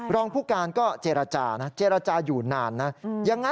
รองผู้การก็เจรจานะเจรจาอยู่นานนะ